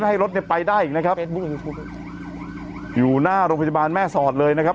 ให้รถเนี่ยไปได้อีกนะครับอยู่หน้าโรงพยาบาลแม่สอดเลยนะครับ